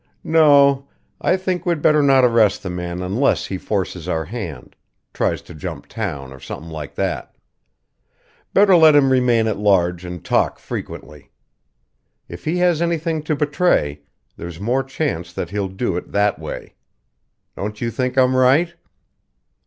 No o, I think we'd better not arrest the man unless he forces our hand tries to jump town, or something like that. Better let him remain at large and talk frequently. If he has anything to betray, there's more chance that he'll do it that way. Don't you think I'm right?"